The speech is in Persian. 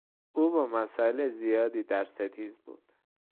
او با مسایل زیادی در ستیز بود.